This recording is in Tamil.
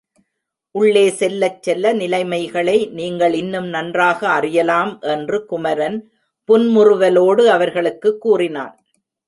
உள்ளே செல்லச் செல்ல நிலைமைகளை நீங்கள் இன்னும் நன்றாக அறியலாம் என்று குமரன் புன்முறுவலோடு அவர்களுக்குக் கூறினான்!